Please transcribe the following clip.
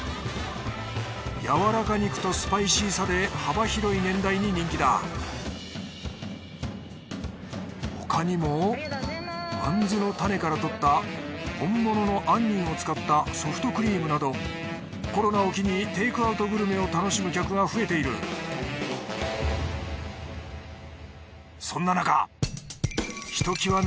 やわらか肉とスパイシーさで幅広い年代に人気だ他にもあんずの種からとった本物の杏仁を使ったソフトクリームなどコロナを機にテークアウトグルメを楽しむ客が増えているそんななかひと際